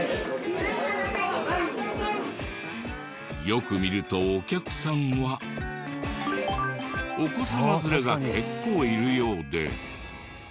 よく見るとお客さんはお子様連れが結構いるようで。